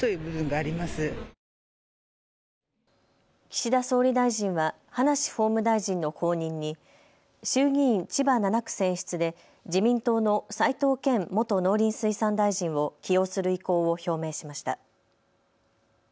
岸田総理大臣は葉梨法務大臣の後任に衆議院千葉７区選出で自民党の齋藤健元農林水産大臣を起用する意向を表明しました。